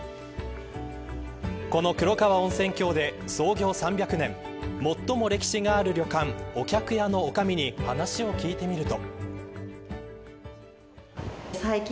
この黒川温泉郷で創業３００年最も歴史がある旅館御客屋のおかみに話を聞いてみると。